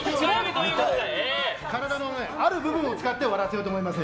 体のある部分を使って笑わせようと思います。